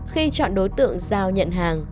khi chọn đối tượng giao nhận hàng